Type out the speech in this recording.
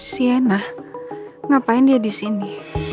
si ena ngapain dia di sini